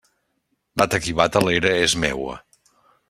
Bata qui bata, l'era és meua.